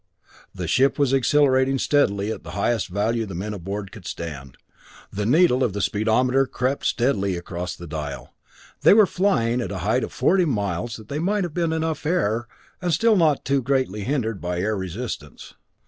The ship was accelerating steadily at the highest value the men aboard could stand. The needle of the speedometer crept steadily across the dial. They were flying at a height of forty miles that they might have enough air and still not be too greatly hindered by air resistance.